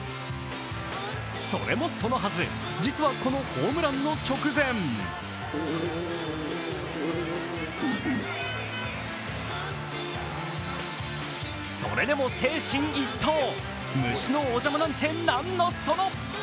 それもそのはず、実はこのホームランの直前それでも精神一到虫のお邪魔なんてなんのその。